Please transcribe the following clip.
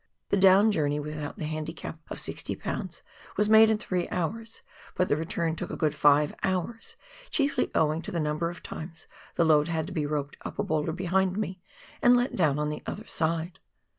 The dowu journey without the handicap of 60 lbs. was made in three hours, but the return took a good five hours, chiefly owing to the number of times the load had to be roped up a boulder behind me, and let down on the other side.